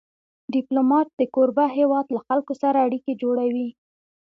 ډيپلومات د کوربه هېواد له خلکو سره اړیکې جوړوي.